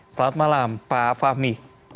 selamat malam pak fahmi